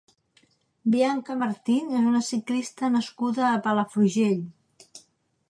Bianca Martín és una ciclista nascuda a Palafrugell.